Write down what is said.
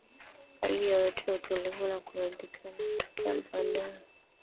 Hali yoyote ya utulivu na kuridhika inayotokea baada ya